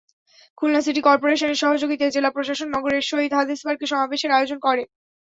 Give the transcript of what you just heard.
Khulna city করপোরেশনের সহযোগিতায় জেলা প্রশাসন নগরের শহীদ হাদিস পার্কে সমাবেশের আয়োজন করে।